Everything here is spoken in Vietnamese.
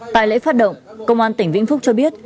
tại lễ phát động công an tỉnh vĩnh phúc cho biết